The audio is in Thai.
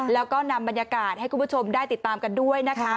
แล้วก็นำบรรยากาศให้คุณผู้ชมได้ติดตามกันด้วยนะคะ